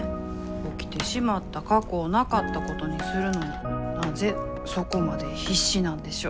起きてしまった過去をなかったことにするのになぜそこまで必死なんでしょう。